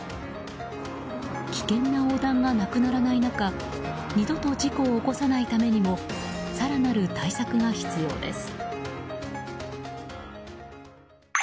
危険な横断がなくならない中二度と事故を起こさないためにも更なる対策が必要です。